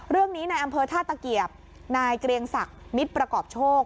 ในอำเภอท่าตะเกียบนายเกรียงศักดิ์มิตรประกอบโชค